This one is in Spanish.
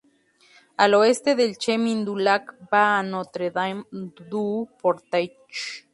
Al oeste, el chemin du Lac va a Notre-Dame-du-Portage.